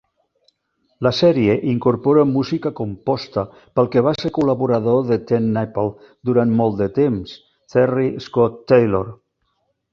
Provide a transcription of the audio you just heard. La sèrie incorpora música composta pel que va ser col·laborador de TenNapel durant molt de temps, Terry Scott Taylor.